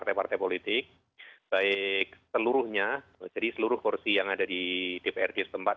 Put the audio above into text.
partai partai politik baik seluruhnya jadi seluruh kursi yang ada di dprd setempat